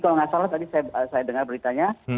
kalau nggak salah tadi saya dengar beritanya